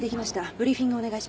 ブリーフィングお願いします。